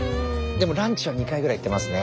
でもランチは２回ぐらい行ってますね。